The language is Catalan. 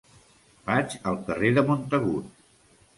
Vaig al carrer de Montagut.